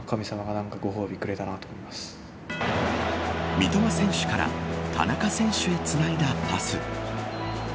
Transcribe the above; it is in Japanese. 三笘選手から田中選手へつないだパス。